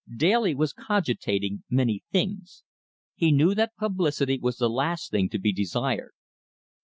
Daly was cogitating many things. He knew that publicity was the last thing to be desired.